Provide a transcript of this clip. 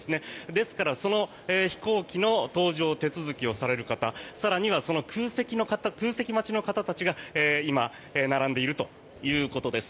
ですから、その飛行機の搭乗手続きをされる方更にはその空席待ちの方たちが今、並んでいるということです。